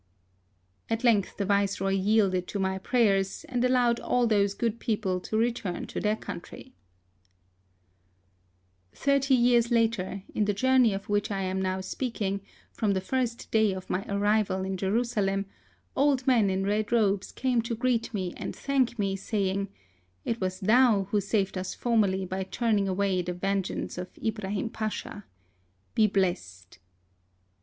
At length the Viceroy yielded to my prayers, and allowed all those good people to return to their country. 72 HISTORY OP Thirty years later, in the journey of which I am now speaking, from the first day of my arrival in Jerusalem, old men in red robes came to greet me and thank me, saying, " It was thou who saved us formerly by turning away the vengeance of Ibrahim Pacha. Be blessed."